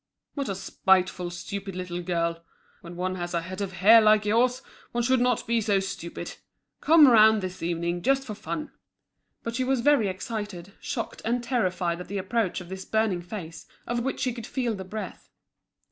"What a spiteful, stupid little girl. When one has a head of hair like yours one should not be so stupid. Come round this evening, just for fun." But she was very excited, shocked, and terrified at the approach of this burning face, of which she could feel the breath.